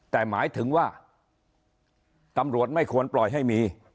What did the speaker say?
แต่หมายถึงว่าตำรวจไม่ควรปล่อยให้มี